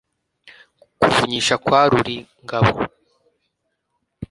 kuvunyisha kwa ruringabo